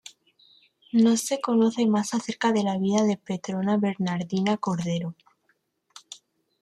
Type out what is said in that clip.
No se conoce más acerca de la vida de Petrona Bernardina Cordero.